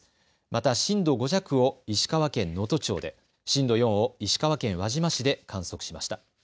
また震度５弱を石川県能登町で、震度４を石川県輪島市で観測しました。